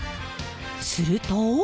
すると。